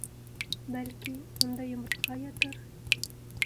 Бәлки, унда йомортҡа ятыр?